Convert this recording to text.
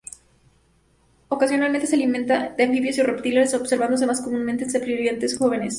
Ocasionalmente se alimenta de anfibios o reptiles, observándose más comúnmente en serpientes jóvenes.